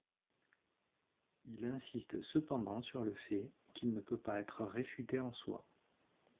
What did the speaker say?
Il insiste cependant sur le fait, qu'il ne peut pas être réfuté en soi.